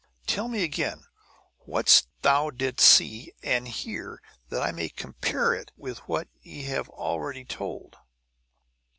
Tell me again what thou didst see and hear, that I may compare it with what ye have already told."